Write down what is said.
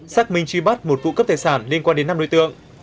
xác minh truy bắt một vụ cướp tài sản liên quan đến năm đối tượng